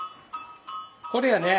これやね？